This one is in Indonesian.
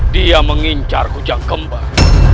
dia mengincar kujang kembar